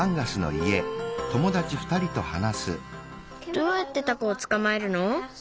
どうやってタコをつかまえるの？